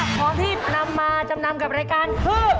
ของที่นำมาจำนำกับรายการคือ